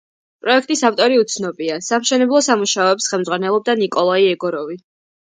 პროექტის ავტორი უცნობია, სამშენებლო სამუშაოებს ხელმძღვანელობდა ნიკოლაი ეგოროვი.